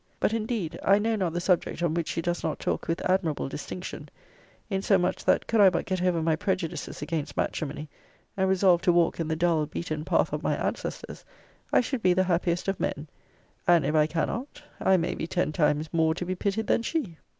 But, indeed, I know not the subject on which she does not talk with admirable distinction; insomuch that could I but get over my prejudices against matrimony, and resolve to walk in the dull beaten path of my ancestors, I should be the happiest of men and if I cannot, I may be ten times more to be pitied than she.